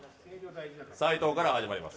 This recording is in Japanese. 斉藤から始まります。